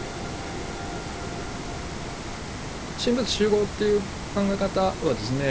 神仏習合っていう考え方はですね